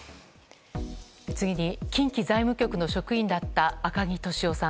次に、近畿財務局の職員だった赤木俊夫さん。